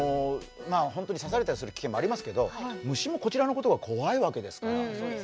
本当に刺されたりする危機もありますけど虫もこちらのことは怖いわけです。